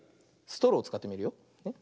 ストローをつかってみるよ。